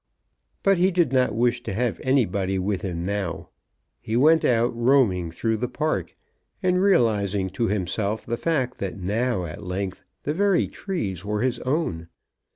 But he did not wish to have anybody with him now. He went out, roaming through the park, and realising to himself the fact that now, at length, the very trees were his own.